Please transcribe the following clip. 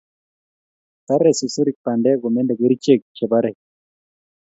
Tare susurik bandek komende kerichek che barei